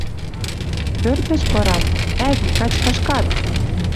Пӧртӹш пырат: ӓви, качкаш кад.